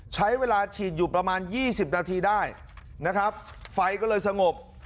ใช้เวลาฉีดอยู่ประมาณ๒๐นาทีได้นะครับไฟก็เลยสงบ